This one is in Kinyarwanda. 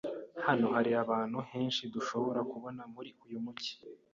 Hano hari ahantu henshi dushobora kubona muri uyu mujyi.